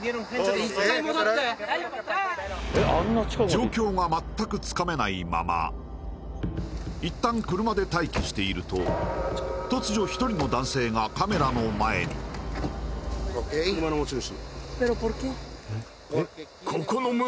状況が全くつかめないままいったん車で待機していると突如一人の車の持ち主？